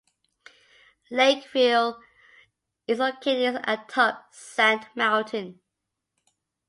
Lakeview is located atop Sand Mountain.